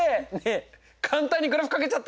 簡単にグラフかけちゃったんだけど！